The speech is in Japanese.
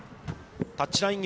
タッチライン際。